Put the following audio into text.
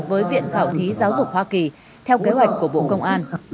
với viện khảo thí giáo dục hoa kỳ theo kế hoạch của bộ công an